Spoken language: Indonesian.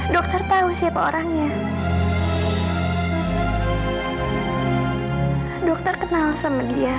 dokter tau siapa orangnya